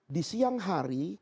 di siang hari